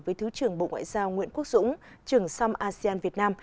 với thứ trưởng bộ ngoại giao nguyễn quốc dũng trưởng som asean việt nam